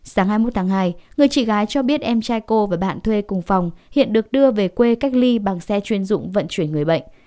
sáng hai mươi một tháng hai người chị gái cho biết em trai cô và bạn thuê cùng phòng hiện được đưa về quê cách ly bằng xe chuyên dụng vận chuyển người bệnh